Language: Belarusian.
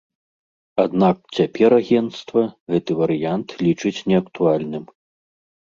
Аднак цяпер агенцтва гэты варыянт лічыць неактуальным.